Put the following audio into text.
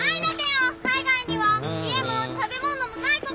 海外には家も食べ物もない子が。